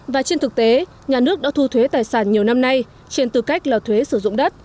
và trên thực tế nhà nước đã thu thuế tài sản nhiều năm nay trên tư cách là thuế sử dụng đất